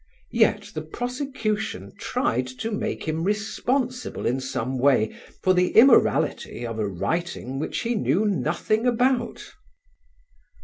Yet the prosecution tried to make him responsible in some way for the immorality of a writing which he knew nothing about.